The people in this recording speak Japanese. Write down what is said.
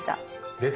出た。